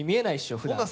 ふだん。